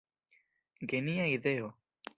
Genia ideo!